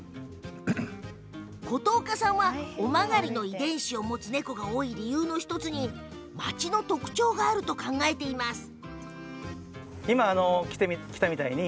琴岡さんは尾曲がりの遺伝子を持つ猫が多い理由の１つに町の特徴があると考えています。